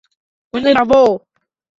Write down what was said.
Uni ravo